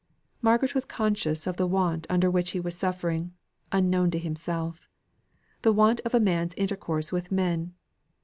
Margaret was conscious of the want under which he was suffering, unknown to himself; the want of a man's intercourse with men.